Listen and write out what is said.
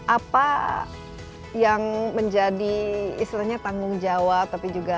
apa yang menjadi istilahnya tanggung jawab tapi juga